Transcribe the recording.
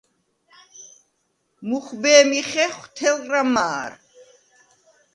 მუხვბე̄მი ხეხვ თელღრა მა̄რ.